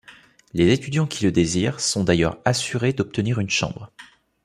Les étudiants qui le désirent sont d’ailleurs assurés d’obtenir une chambre.